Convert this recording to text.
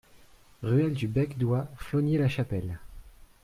Ruelle du Bec d'Oie, Flogny-la-Chapelle